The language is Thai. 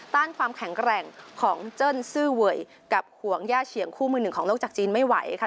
ต้านความแข็งแกร่งของเจิ้นซื่อเวยกับหวงย่าเฉียงคู่มือหนึ่งของโลกจากจีนไม่ไหวค่ะ